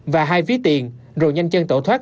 và hai ví tiền rồi nhanh chân tổ thoát